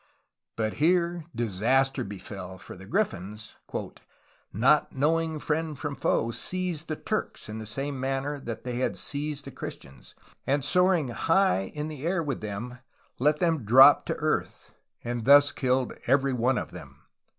But here disaster befell, for the griffins, ORIGIN AND APPLICATION OF THE NAME CALIFORNIA 59 "not knowing friend from foe, seized the Turks in the same man ner that they had seized the Christians, and soaring high in the air with them let them drop to earth, and thus killed every one of them."